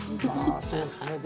そうですね。